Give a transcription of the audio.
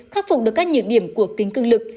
khắc phục được các nhược điểm của kính cưng lực